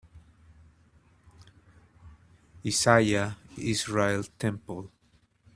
Isaiah Israel Temple.